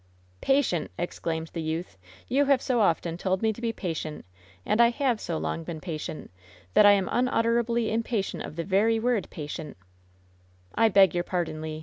'^" Tatient !''' exclaimed the youth. "You have so often told me to be patient, and I have so long been pa tient, that I am xmutterably impatient of the very word *patientM" "I beg your pardon, Le.